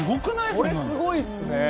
これすごいっすね。